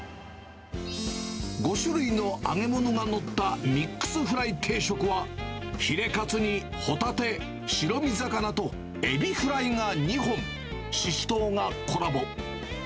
５種類の揚げ物が載ったミックスフライ定食は、ヒレカツにホタテ、白身魚と、エビフライが２本、シシトウがコラボ。